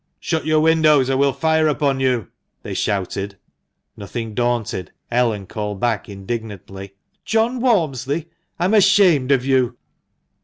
"Shut your windows, or we'll fire upon you!" they shouted. Nothing daunted, Ellen called back indignantly — "John Walmsley, I'm ashamed of you!"